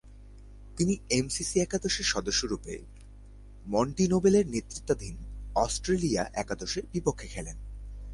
তিনি এমসিসি একাদশের সদস্যরূপে মন্টি নোবেলের নেতৃত্বাধীন অস্ট্রেলিয়া একাদশের বিপক্ষে খেলেন।